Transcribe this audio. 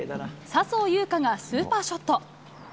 笹生優花がスーパーショット。